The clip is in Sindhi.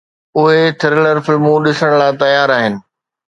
اهي ٿرلر فلمون ڏسڻ لاءِ تيار آهن